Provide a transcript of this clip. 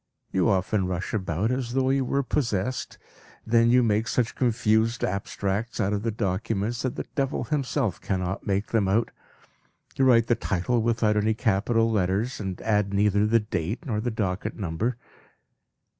You often rush about as though you were possessed. Then you make such confused abstracts of the documents that the devil himself cannot make them out; you write the title without any capital letters, and add neither the date nor the docket number."